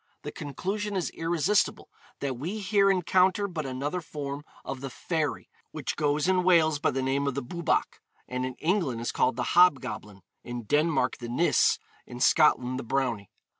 The conclusion is irresistible that we here encounter but another form of the fairy which goes in Wales by the name of the Bwbach, and in England is called the Hobgoblin, in Denmark the Nis, in Scotland the Brownie.